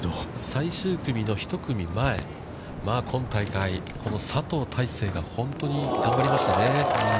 最終組の１組前、今大会、本当に頑張りましたね。